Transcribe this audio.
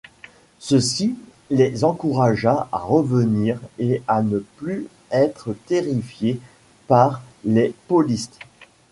Ceci les encouragea à revenir et à ne plus être terrifiés par les Paulistes.